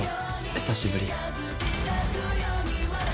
久しぶり。